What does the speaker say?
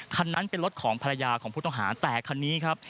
คันนั้นเป็นรถของภรรยาของผู้ต้องหาแต่คันนี้ครับ